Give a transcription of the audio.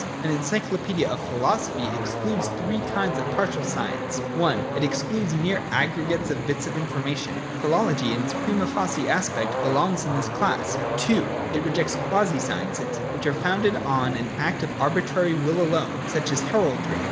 An encyclopaedia of philosophy excludes three kinds of partial science. I. It excludes mere aggregates of bits of information. Philology in its prima facie aspect belongs to this class. II. It rejects the quasi sciences, 26 INTRODUCTION. [^6. which are founded on an act of arbitrary will alone, such as Heraldry.